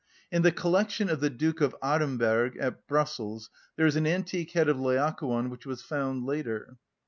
In the collection of the Duke of Aremberg at Brussels there is an antique head of Laocoon which was found later.